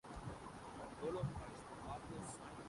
ایک یہ کہ پاکستان اپنے تاریخی بیانیے پر قائم ہے۔